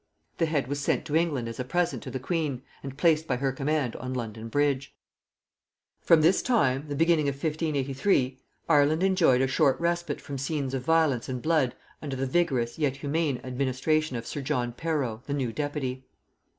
The head was sent to England as a present to the queen, and placed by her command on London Bridge. From this time, the beginning of 1583, Ireland enjoyed a short respite from scenes of violence and blood under the vigorous yet humane administration of sir John Perrot, the new deputy.